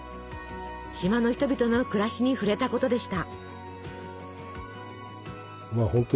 島の人々の暮らしに触れたことでした。